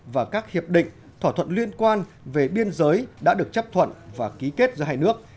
và các hiệp định thỏa thuận liên quan về biên giới đã được chấp thuận và ký kết giữa hai nước